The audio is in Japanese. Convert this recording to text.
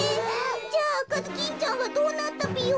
じゃああかずきんちゃんはどうなったぴよ？